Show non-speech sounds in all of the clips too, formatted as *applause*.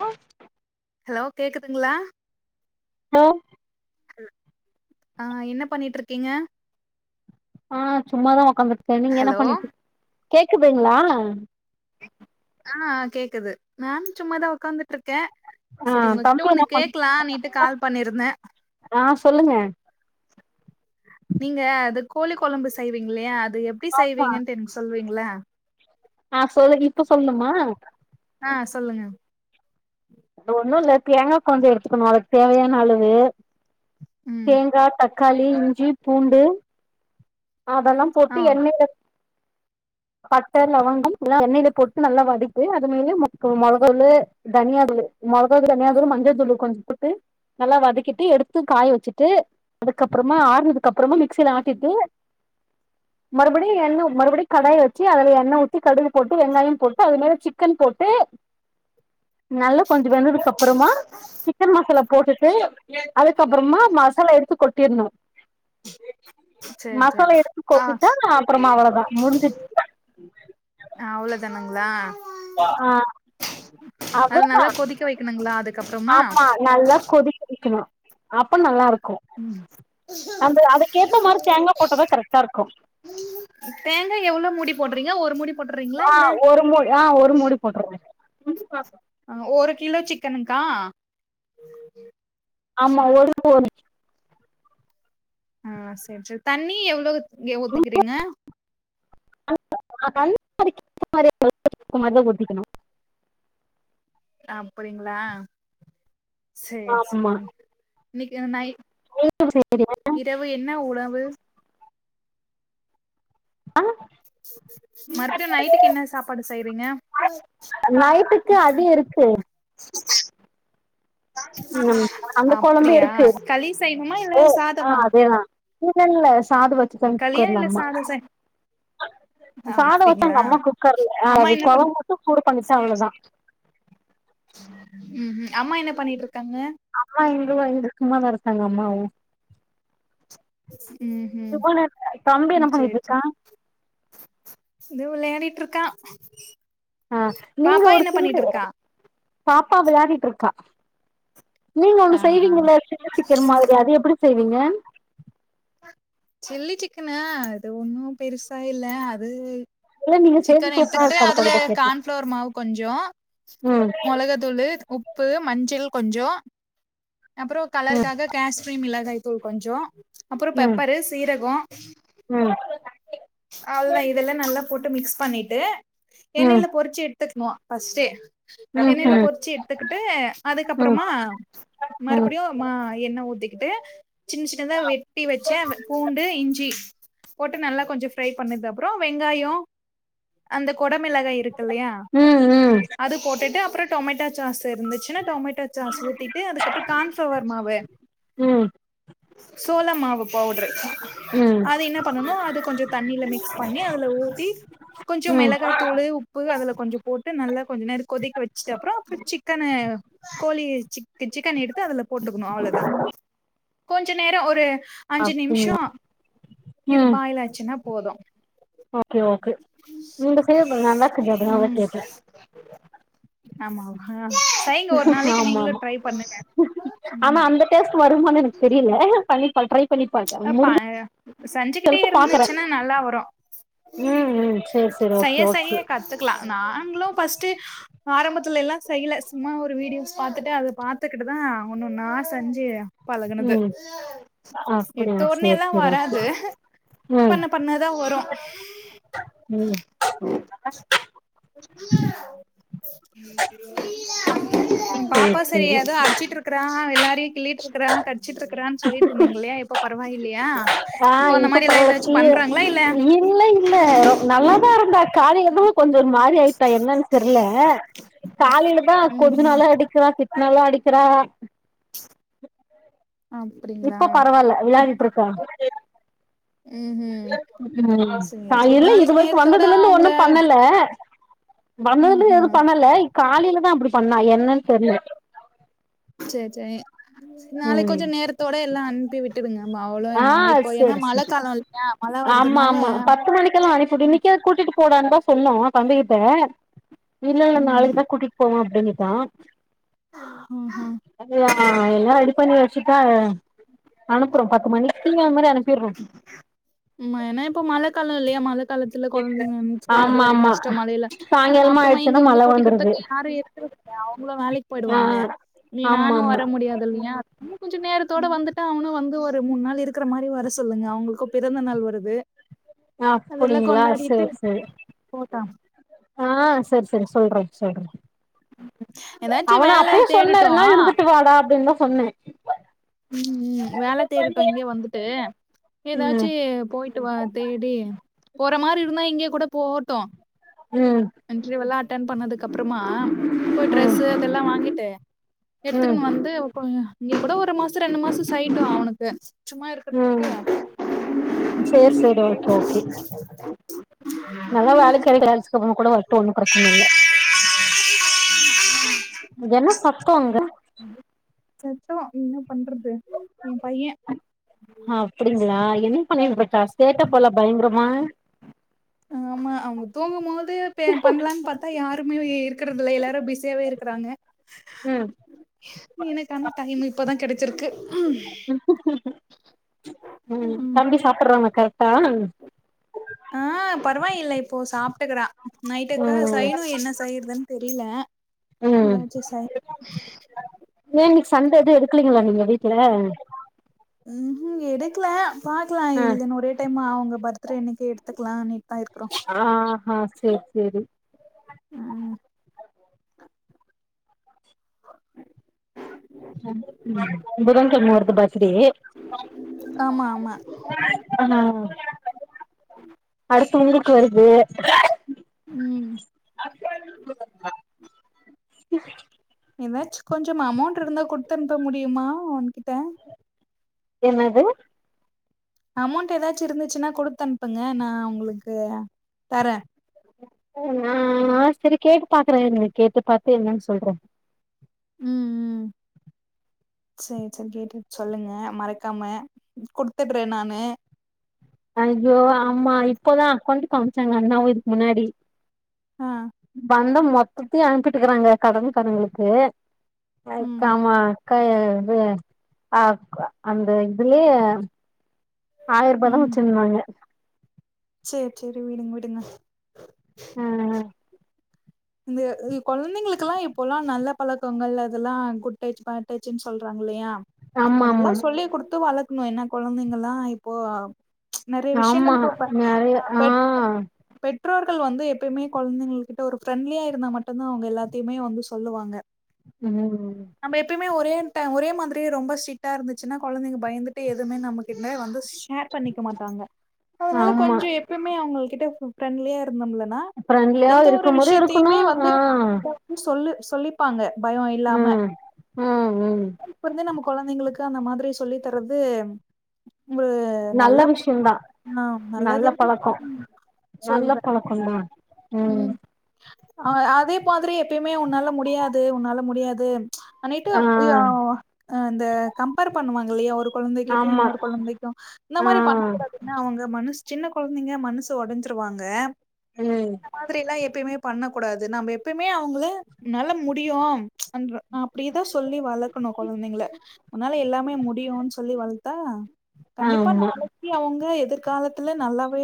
hello hello கேக்குதுங்களா hello ஆ என்ன பண்ணிட்டு இருக்கீங்க ஆ சும்மாதா உக்காந்துருக்கே நீங்க என்ன ஹலோ பண்ணிட்டு கேக்குதுங்களா ஆ கேக்குது நானு சும்மாதா உக்காந்துட்டு இருக் க்க ஆ சரி உங்ககிட்ட தம்பி ஒண்ணு என்ன பண் கேக்கலானுட்டு கால் பண்ணிருந்தே ஆ சொல்லுங்க நீங்க அது கோழி குழம்பு செய்வீங்கல்லயா அது எப்டி ஆமா செய்வீங்கன்ட்டு எனக்கு சொல்வீ ங்கள ஆ சொல்லு இப்ப சொல்ணுமா ஆ சொல்லுங்க அது ஒண்ணு இல்ல தேங்கா கொஞ்ச எடுத்துக்கணு அதுக்கு தேவையான அளவு ம் தேங்கா தக்காளி இஞ்சி பூண்டு அதெல்லா போட்டு ஆ எண்ணெலே பட்ட லவங்கம் எல்லா எண்ணெயில போட்டு நல்லா வதக்கி அது மேல மொளக தூளு தனியா மொளக தூளு தனியா தூளு மஞ்ச தூள் கொஞ்ச போட்டு நல்லா வதக்கிட்டு எடுத்து காய வச்சுட்டு அதுக்கப்பறமா ஆறுனதுக்கு அப்பறமா மிக்சியில ஆட்டிட்டு மறுபடி என்ன மறுபடி கடாய் வெச் வெச்சு அதுல எண்ணெய் ஊதி கடுகு போட்டு வெங்காயம் போட்டு அதுமேல சிக்கன் போட்டு நல்ல கொஞ்ச வெந்ததுக்கு அப்பறமா சிக்கன் மசாலா போட்டுட்டு அதுக்கப்பறமா மசாலா எடுத்து கொட்டிருணு சேரி சேரி மசாலா எடுத்து ஆ கோட்டுடா அப்பறமா அவ்ளவுதா முடிஞ்சி ஆ அவ்ளோதானுங்களா ஆ அது அவ்ளவுதா நல்லா கொதிக்க வைக்கணுங்களா அதுக்கப்புறமா ஆமா நல்லா கொதிக்க வைக்கணு அப்ப நல்லா இருக் கு ம் அந்த அதுக்கேத்த மாரி தேங்கா போட்டதா கரெக்டா இருக்கு தேங்கா எவ்ளோ மூடி போடுறீங்க ஒரு மூடி போட்டுறீங்களா ஆ இல்ல ஒரு மூ ஆ ஒரு மூடி போட்றங்க ஆ, ஒரு கிலோ சிக்கன்னுகா ஆமா ஒரு ஆ செரி செரி தண்ணி எவ்ளவு ஊத்திக்கிறீங்க தண்ணி அதுக்கு ஏத்தா மாரி தான் ஊத்திக்கணு அப்டிங்களா சேரி ஆமா சேரி இன்னைக்கு நை இரவு என்ன உணவு மறுபடியு நைட்டுக்கு என்ன சாப்பாடு செய்றீங்க நைட்டுக்கு அது இருக்கு ம் அந்த கொழம்பு அப்டியா இருக்கு களி செய்யணுமா இல்ல ஓ ஆ சாதமா அதேதா இல்ல இல்ல சாத வச்சிட்டாங்க களியா குக்கர்ல இல்ல அம்மா சாதோ செய் சாதோ வச்சாங்க அப்டிங்களா அம்மா குக்கர்ல அம்மா அது என்ன பண் கொழம்பு மட்டு சூடு பண்ணிட்டா அவ்ளோதா ம் ம் அம்மா என்ன பண்ணிட்டு இருக்காங்க அம்மா இங்க வந்து சும்மாதா இருக்காங்க அம்மாவு ம் ம் *unintelligible* தம்பி என்ன பண்ணிட்டுருக்கா தோ விளையாடிட்ருக்கா ஆ நீங்க ஒரு சில்லு பாப்பா விளையாடிட்ருக்கா நீங்க ஒன்னு ஆஹா செய்வீங்கல சில்லு சிக்கன் மாதரி அது எப்டி செய்வீங்க சில்லி சிக்கனா அது ஒன்னு பெருசா இல்ல அது இல்ல நீங்க செய்றது சிக்கன சூப்பரா எடுத்துக்கிட்டு இருக்கு அதுல அதுக்காகதா கேட்டே கார்ன்ப்ளவேர் மாவு கொஞ்சோ ம் மொளகா தூளு உப்பு மஞ்சள் கொஞ்சோ அப்றோ கலருக்காக கஷ்ட்ரீ மிளகாய்தூள் கொஞ்சோ அப்றோ ம் பெப்பரு சீரகோ ம் அதுதா இதெல்லா நல்லா போட்டு மிக்ஸ் பண்ணிட்டு ம் எண்ணெய்ல பொறிச்சு எடுத்துக்கனு ஃபஸ்டே ம் ம் எண்ணெய்ல பொறிச்சு எடுத்துக்கிட்டு ம் அதுக்கப்புறமா ம் மறுபடியு மா எண்ணெ ஊத்திக் கிட்டு சின் சின்னதா வெட்டி வச்ச பூண்டு இஞ்சி போட்டு நல்லா கொஞ்சோ ஃப்ரை பண்ணதுக்கு அப்றோ வெங்காய அந்த கொடமிளகாய் இருக்குல்லையா ம் அது போட்டுட்டு அப்ரோ டொமேட்டா சாஸ் இருந்துச்சுன்னா டொமேட்டோ சாஸ் ஊத்திட்டு அதுக்கப்றோ கார்ன் ஃபுளவர் மாவு ம் ம் சோள மாவு பாவுட்ரு ம் அது என்ன பண்ணனு அது கொஞ்சோ இதுல மிக்ஸ் பண்ணி அதுல ஊத்தி கொஞ்சோ ம் மிளகாய் தூள் உப்பு அதுல கொஞ்சோ போட்டு நல்லா கொஞ்ச நேரோ கொதிக்க வச்சுட்ட அப்றோ அப்ப சிக்கனு கோழி சிக் சிக்கன எடுத்து அதுல போட்டுக்கணு அவ்ளோதா கொஞ்ச நேரோ ஒரு அஞ்சு நிமிஷோ அப்டிங்களா இது ம் பாயிலாச்சுன்னா ஓகே ஓகே நீங்க செய்றது நல்லாக்குது அதுனால கேட்டே ஆமா சைங்க ஒரு நாளைக்கி ஆமா நீங்களு ஆமா ட்ரை பண்ணுங்க ஆனா ம் அந்த டேஸ்ட் வருமான்னு எனக்கு தெரியில பண்ணிப்ப ட்ரை பண்ணி பாக்கே அப்ப முடிஞ்ச செஞ்சிக்கிட்டே அளவுக்கு பாக்குறே இருந்துச்சுன்னா நல்லா வரு ம் ம் சேரி சேரி செய ஓகே ஓகே செய கத்துக்கலா நாங்களு ஃபர்ஸ்ட்டு ஆரம்பத்துலல்லா செய்ல சும்மா ஒரு வீடியோஸ் பாத்துட்டு அத பாத்துக்கிட்டுதா ஒன்னொன்னா செஞ்சு பழகுனது ம் எடு அப்டியா த்தோனே சேரி எல்லா சேரி ஓகே வராது ம் பண்ண பண்ணதா வரு ம் ம் சேரி பாப்பா சரி சேரி ஏதோ அட்சிட்ருக்கா எல்லாரையு கிள்ளிட்டுருக்குற கட்சிட்ருக்குறான்னு சொல்லிட்டுருந்தீ இல்லையா இப்ப பரவாயில்லையா ஆ இப்போ அந்த இப்ப மாரி எல்லா பல்லு ஏதாச்சு கீ பண்றாங்களா இல்ல இல்ல இல்ல ரொ நல்லாதாருந்தா காலையில தா கொஞ்சோ ஒருமாறி ஆயிட்டா என்னன்னு தெர்ல காலையிலதா கொஞ்ச ம்ஹும் நாள அடிக்கிறா தி நல்லா அடிக்கிறா அப்டிங்களா இப்போ பரவால்ல இப் விளாடிட்டுருக்கா ம்ஹும் ம் சேரி காலையி சேரி இல்ல நாளைக்கு இதுவரைக்கு நேரத்தோட வந்ததுல இருந்து அவங்கள ஒன்னு பண்ணல வந்ததுல எதுவு ம்ஹும் பண்ணல காலையிலதா அப்டி பண்ணா என்னன்னு தெர்ல சேரி சேரி நாளைக்கி ம் கொஞ்சோ நேரத்தோட எல்லா அனுப்பி விட்டுருங்க ஆ செரி செரி இல்லையா மழ ஆமா வருதுனால ஆமா பத்து மணிக்கெல்லா அனுப்பிட்டு இன்னைக்கே அத கூட்டிட்டு போடான்தா சொன்னோ தம்பிகிட்ட இல்ல இல்ல ம் நாளைக்குதா கூட்டிட்டு போவோ அப்டினுட்டா ம் ம் ஆ எல்லா ரெடி பண்ணி வச்சுட்டா அனுப்றோ பத்து மணிக்கு அந்த மாரி அனுப் உமா எனா இப்ப மழக்கால இல்லியா மழ க்காலத்துல கொழந்தைங்க ன்ஞ்சிட்டா அது ஆமா வேற ஆமா கஷ்டம் மழைல சாயங்காலமா அப்றமா இங்க ஆயிடுச்சுன்னா வந்து மழ வந்துருது கொட்டிக்கிறதுக்கு யாரு இருக்கற அவுங்களு வேலைக்கு ஆ போயிடுவாங்க நீ ஆமா நானு ஆமா வர முடியாது இல்லியா கொஞ்ச நேரத்தோட வந்துட்டா அவனு வந்து ஒரு மூன் நாள் இருக்கிற மாரி வர சொல்லுங்க அவுங்ளுக்கு பிறந்த நாள் வருது அதெல்லா அப்டிங்களா கொண்டாடிட்டு செரி செரி போட்டாம் ஆ சரி சரி சொல்ற சொல்ற ஏதாச்சு அவன வேல அப்பியே சொன்னே தேடட்டு ரெண் நாள் இருந்துட்டு வாடா அப்டின்தா சொன்னே உம் உ வேல தேடட்டு இங்கியே வந்துட்டு ம் ஏதாச்சு போயிட்டு வா தேடி போற மாரி இருந்தா இங்கியே கூட போட்டு ம் இன்டர்வியூ வெல்லா அட்டன் பண்ணதுக்கப்றமா போய் ம் டிரெஸ்ஸு இதெல்லா வாங்கிட்டு ம் எடுத்துக்கனு வந்து கொஞ்ச இங்கியே கூட ஒரு மாச ரெண்டு மாச செய்ட்டு அவனுக்கு சும்மா ம் இருக்குறதுக்கு சேர் சேரி ஓகே ஓகே நல்லா வேலைக்கு *unintelligible* கூட வர்ட்டு ஒன்னு பிரச்சனல்ல *inaudible* அங்க என்ன சத்தொங்க சத்த என்னப் பண்றது எ பைய ஹப்டிங்ளா என்ன பண்ணிட்ருக்கா சேட்டப் போல பயங்ரமா ஆமா அவுங்க தூங்கும் போது பே பண்லான் பாத்தா யாரு ருமே இருக்கறதுல எல்லாரு பிஸியாவே இருக்கிறாங்க உம் எனக்கான டைம் இப்பதா கெடச்சிருக்கு உம் உம் தம்பி சாப்பிர்றானா கரட்டா ஆ பரவாயில்ல இப்போ சாப்ட்டுக்றா நைட்டுக்க ம் செய்னு என்ன செய்றதுன் தெரில ம் ஏதாச்சு செய்னு ஏ இன்னைக்கு சண்டே எது எடுக்லீங்ளா நீங்க வீட்ல உஹும் எடுக்ல பாக்லா ஆ இல்லன் ஒரே டைமா அவுங்க பர்த்டே அன்னைக்கு எடுத்துக்லானிட் ஆஹா சேரி சேரி ம் புதன் கெழம வருது பர்த்டே ஆமா ஆமா ஆ *inaudible* துங்குக்கு வருது ம் *inaudible* ஏதாச்சு கொஞ்சமா அமௌண்ட்ருந்தா குட்த்தன்ப்ப முடியுமா ஒன்கிட்ட என்னது அமௌண்ட் ஏதாச்சு இருந்துச்சுனா குடுத்தனுப்புங்க நா உங்களுக்கு தரே ஆ சரி கேட்டு பாக்கறே எ கேட்டு பாத்து என்னன் சொல்றே உம் உம் சேரி சேரி கேட்டுட் சொல்லுங்க மறக்காம குடுத்துட்றே நானு ஐயோ ஆம்மா இப்போதா அக்கௌண்ட்டு காம்ச்சாங்க அண்ணாவு இதுக்கு முன்னாடி ஆ பந்தம் மொத்தத்தையு அனுப்பிட்டுக்கறாங்க கடன் காரங்களுக்கு ம் அக்கமா க இது ஆ அந்த இதுலியே ஆயர்பாதா வச்சிருந்தாங்க செரி செரி விடுங்க விடுங்க உம் இந்த உ கொழந்தைங்களுக்குலா இப்போலா நல்ல பழக்கங்கள் அதெலா குட் டச் பேட் டச்சுன் சொல்றாங்கல்லியா ஆமா அதெல்லா ஆமா சொல்லிக் குடுத்து வளக்ணு என்ன கொழந்தைங்களா இப் இப்போ நறைய விஷயங்கள் ஆமா இப்போ ப நெறைய ஆ பெட் பெட் ற்றோர்கள் வந்து எப்பய்மே கொழந்தைங்கள் கிட்ட ஒரு ஃப்ரெண்ட்லியா இருந்தா மட்டுந்தா அவ்ங்க எல்லாத்தய்மே வந்து சொல்லுவாங்க ம் நம்ப எப்பய்மே ஒரே ட ஒரே மாதிரியே ரொம்ப ஸ்ட்ரிட்டா இருந்துச்சுன்னா கொழந்தைங்க பயந்துட்டு எதுமே நமக்கிட்ட வந்துஸ் ஷேர் பண்ணிக்க மாட்டாங்க அதுனால ஆமா கொஞ்சொ எப்பய்மே அவங்கள் கிட்ட ஃப்ரெண்ட்லியா இருந்தம்லனா ஃப்ரெண்ட்லியா எந்த ஒரு இருக்கும் போது இருக்கணு விஷியத்தைய்மே வந்து ஆ சொல்லு சொல்லிப்பாங்க பயோ இல்லாம ம் ம் ம் இப்பர்ந்து நம கொழந்தைங்களுக்கு அந்த மாதிரி சொல்லி தர்றது உங்க நல்ல *inaudible* ஆ நல்ல நல்லது பழக்கோ நல்ல பழக்கொந்தா ம் ஆ அதே மாதிரி எப்பயுமே உன்னால முடியாது உன்னால முடியாது அனைட்டு ஆ இந்த கம்பேர் பண்ணுவாங்க இல்லையா ஒரு கொழந்தைகிட்டு ஆமா இன்னொரு கொழந்தைக்கு இந்த ஆ மாரி பண்ணக்கூடாதுன்ன அவங்க மனுசு சின்ன கொழந்தைங்க மனசு ஒடஞ்சிருவாங்க ம் அந்த மாதிரி எல்லா எப்பயுமே பண்ண கூடாது நம்ம எப்பமே அவங்கள உன்னால முடியு அன்ற அப்டியேதா சொல்லி வளக்கணு கொழந்தைங்கள உன்னால எல்லாமே முடியுன் சொல்லி வளத்தா கண்டிப்பா ஆமா நாளைக்கு அவங்க எதிர்காலத்துல நல்லாவே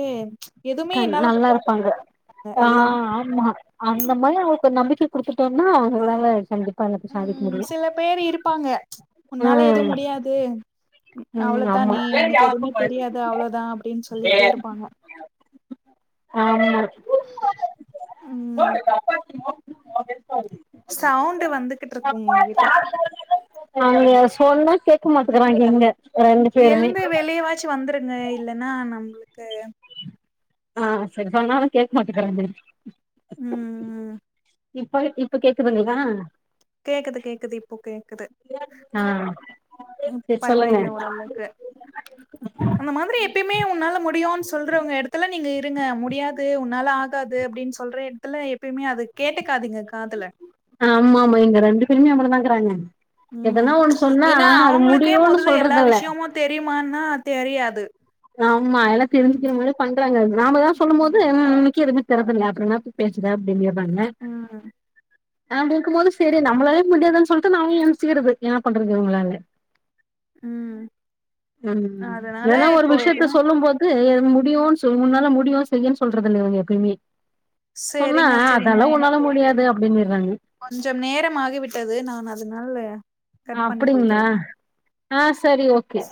எதுவுமே க என்னால நல்லா இருப்பாங்க முடியாதுங்க ஆ எல்லாமே ஆமா அந்த மாரி அவங்களுக்கு ஒரு நம்பிக்க குடுத்து டோன்னா அவங்களால கண்டிப்பா எல்லாத்தையு சாதிக்க ம் முடியு சில பேர் ம் ஏ ம் அவ்ளோதா ஆமா நீ உனக்கு எதுமே தெரியாது அவ்ளோதா அப்டின் சொல்லிட்டே இருப்பாங்க ஆமா ம் சவ்ண்டு வந்துகிட்ருக்கு உங்க கிட்ட அய்ய சொன்னா கேக்க மாட்டுக்கறாங்க இங்க எழுந்து வெளியவாச்சு வந்துருங்க இல்லன்னா நம்ளுக்கு ஆ செரி சொன்னாலு கேக்க மாட்டக்கறாங்க ம் இப்ப இப்ப கேக்குதுங்ளா கேக்குது கேக்குது இப்போ கேக்குது ஆ ப் சரி சொல்லுங்க பரவாயில்ல ஓரளவுக்கு அந்த மாதிரி எப்பயுமே உன்னால முடியுன் சொல்றவங்க எடத்துல நீங்க இருங்க முடியாது உன் னால ஆகாது அப்டின்னு சொல்ற எடத்துல எப்பயுமே அது கேட்டுக்காதிங்க ஆமாமா இங்க ரெண்டு பேருமே அப்டிதாக்கிறாங்க ம் எதன்னா ஒண்ணு சொன்னா ஏன்னா அது முடியுன்னு சொல்றதுல்ல ஆன்னா தெரியாது ஆமா எல்லா தெரிஞ்சிக்கிற மாரி பண்றாங்க நாம எதா சொல்லும்போது ம் இன்னிக்கு எதுமே தெர்ரதுள்ள அப்றோ என்னாத்துக்கு பேசுர அப்டிங்கிறது பண்ண ம் நா கேக்கும் போது செரி நம்மளாலயே முடியாதுன்னு சொல்ட்டு நானு எந்திச்சிக்கிறது என்ன பண்றது உங்களால ம் ம் அதனால ஏன்னா ஒரு இப்போ விஷ யத்த எப்பயுமே சொல்லும் போது முடியுன்னு சொல் உன்னால முடியு செய்ன்னு சொல்றது இல்ல இவுங்க எப்பயுமே சொன்னா சரிங்க சரிங்க அதெல்லா எனக்கு உன்னால முடியாது அப்டின்னு இர்றா கொஞ்சம் நேரம் ஆகிவிட்டது நான் அதனால கட் பண்ணிக் கொள்கிறேன் அப்டிங்களா ஆ சரி ஓகே